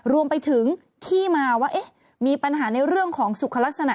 รวมไปถึงที่มาว่ามีปัญหาในเรื่องของสุขลักษณะ